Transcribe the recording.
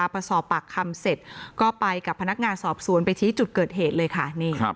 พอสอบปากคำเสร็จก็ไปกับพนักงานสอบสวนไปชี้จุดเกิดเหตุเลยค่ะ